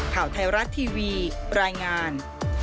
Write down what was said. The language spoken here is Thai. ข่าวไทยรัฐทีวีรายงาน